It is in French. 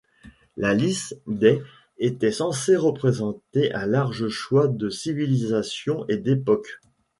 La liste des était censée représenter un large choix de civilisations et d'époques.